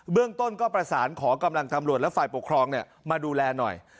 เรื่องต้นก็ประสานขอกำลังตำรวจและฝ่ายปกครองมาดูแลหน่อย